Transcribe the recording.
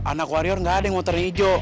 anak warior nggak ada yang moternya ijo